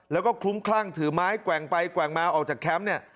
แล้วก็คลุ้มคลั่งถือไม้แกว่งไปแกว่งมาออกจากแคมป์เนี่ย